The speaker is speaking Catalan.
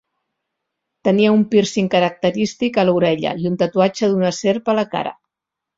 Tenia un pírcing característic a l'orella i un tatuatge d'una serp a la cara.